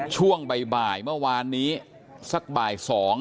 ช่วงบ่ายเมื่อวานนี้สักบ่าย๒